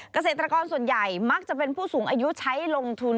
เกษตรกรส่วนใหญ่มักจะเป็นผู้สูงอายุใช้ลงทุน